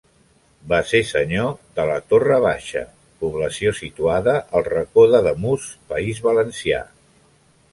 Va ser senyor de la Torrebaixa, població situada al Racó d'Ademús, País Valencià.